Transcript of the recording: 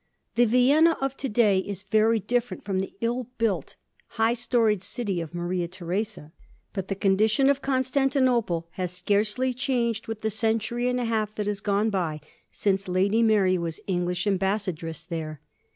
The Vienna of to day is very different from the UL built, high storied city of Maria Theresa ; but the condition of Constantinople has scarcely changed with the century and a half that has gone by since Lady Mary was English Ambassadress there.